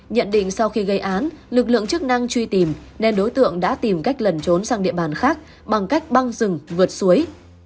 nhận định sau khi gây án lực lượng chức năng truy tìm nên đối tượng đã tìm cách lẩn trốn sang địa bàn khác bằng cách băng rừng vượt suối